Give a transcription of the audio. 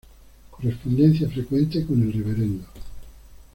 Correspondencia frecuente con el Rev.